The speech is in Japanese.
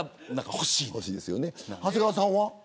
長谷川さんは。